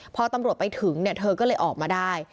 พอตำรวจไปถึงเธอก็เลยออกมาได้